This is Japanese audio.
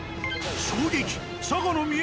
衝撃！